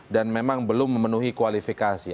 dan memang belum memenuhi kualifikasi